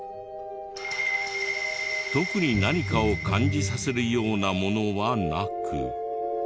特に何かを感じさせるようなものはなく。